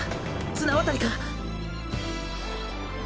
綱渡りか？